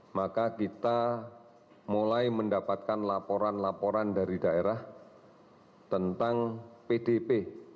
maka kita mulai mendapatkan laporan laporan dari daerah tentang pdp